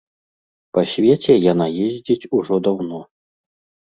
Па свеце яна ездзіць ужо даўно.